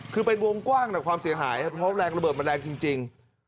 คือเป็นวงกว้างความเสียหายครับเพราะแรงระเบิดมันแรงจริง